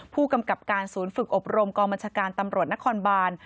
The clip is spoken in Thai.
ผู้กำกับการศูนย์ฝึกอบรมกองบัญชาการตำรวจนครบาน